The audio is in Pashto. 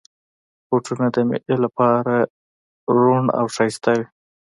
بوټونه د مېلې لپاره روڼ او ښایسته وي.